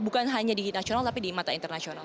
bukan hanya di nasional tapi di mata internasional